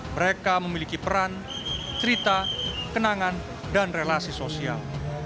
mereka memiliki peran cerita kenangan dan relasi sosial